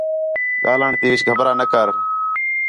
ڳاہلݨ تی وچ گھبرا نہ کر